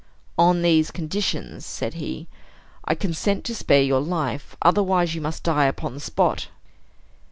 "On these conditions," said he, "I consent to spare your life. Otherwise you must die upon the spot."